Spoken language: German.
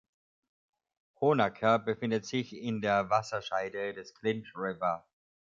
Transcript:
Honaker befindet sich in der Wasserscheide des Clinch River.